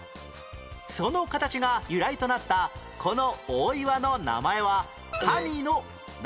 その形が由来となったこの大岩の名前は神の何？